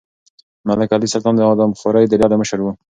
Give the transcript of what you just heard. ملک علي سلطان د آدمخورو د ډلې مشر و.